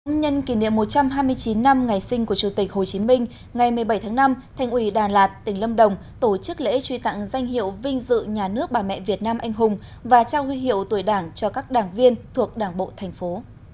nhân kỷ niệm một trăm hai mươi chín năm ngày sinh của chủ tịch hồ chí minh ngày một mươi bảy tháng năm thành ủy đà lạt tỉnh lâm đồng tổ chức lễ truy tặng danh hiệu vinh dự nhà nước bà mẹ việt nam anh hùng và trao huy hiệu tuổi đảng cho các đảng viên thuộc đảng bộ thành phố